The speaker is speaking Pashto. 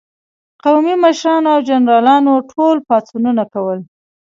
قومي مشرانو او جنرالانو ټول پاڅونونه کول.